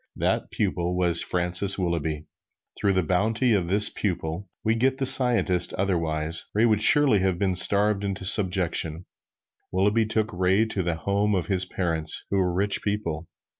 This pupil was Francis Willughby. Through the bounty of this pupil we get the scientist otherwise, Ray would surely have been starved into subjection. Willughby took Ray to the home of his parents, who were rich people.